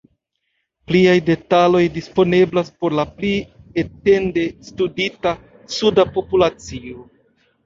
Pliaj detaloj disponeblas por la pli etende studita suda populacio.